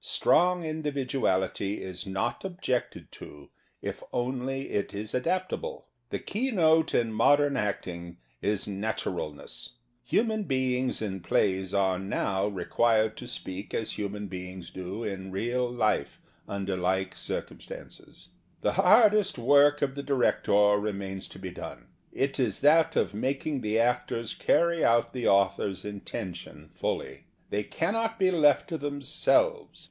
Strong individuality is not objected to if only it is adaptable. The keynote in modern acting is naturalness. Human beings in plays are now re The Theatre and Its People 153 quired to speak as human beings do in real life under like circumstances. The hardest work of the director remains to he done. It is that of mak ing the actors carry out the author's intention fully. They cannot be left to themselves.